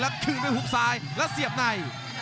แล้วคืนด้วยหุกซ้ายแล้วเสียบใน